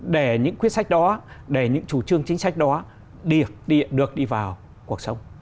để những quyết sách đó để những chủ trương chính sách đó được đi vào cuộc sống